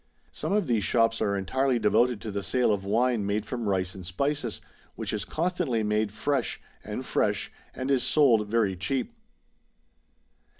Some of these shops are entirely devoted to the sale of wine made from rice and spices, which is constantly made fresh and fresh, and is sold very cheap.